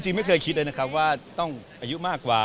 ไม่เคยคิดเลยนะครับว่าต้องอายุมากกว่า